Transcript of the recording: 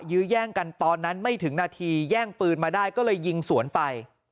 ยื้อแย่งกันตอนนั้นไม่ถึงนาทีแย่งปืนมาได้ก็เลยยิงสวนไป